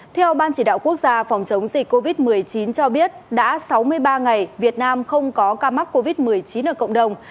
theo ban chỉ đạo quốc gia phòng chống dịch covid một mươi chín cho biết đã sáu mươi ba ngày việt nam không có ca mắc covid một mươi chín ở cộng đồng